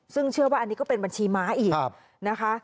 ซึ่งเชื่อว่าอันนี้ก็เป็นบัญชีม้าอีกนะคะ